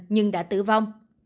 nhưng đã tử vong